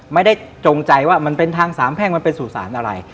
จงใจว่ามันเป็นทางสามแพ่งมันเป็นสู่สารอะไร